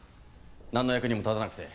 なんの役にも立たなくて。